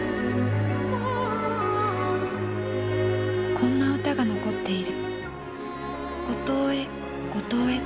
こんな唄が残っている。